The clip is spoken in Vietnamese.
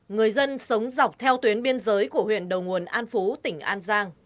người dân sống dọc theo tuyến biên giới của huyện đầu nguồn an phú tỉnh an giang